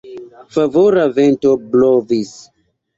Favora vento blovis.